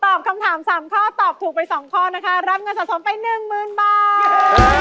ตอบคำถาม๓ข้อตอบถูกไป๒ข้อนะคะรับเงินสะสมไป๑๐๐๐บาท